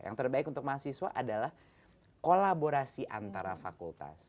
yang terbaik untuk mahasiswa adalah kolaborasi antara fakultas